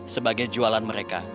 sebagai jualan mereka